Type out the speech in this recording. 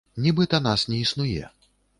Нібыта нас не існуе.